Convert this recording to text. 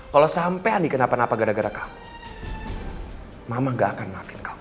kalau sampai andi kenapa napa gara gara kamu mama gak akan maafin kamu